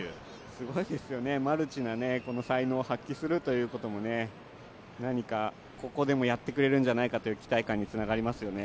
すごいですよね、マルチな才能を発揮するということも、何かここでもやってくれるんじゃないかという期待にもつながりますよね。